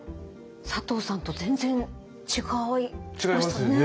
佐藤さんと全然違いましたね。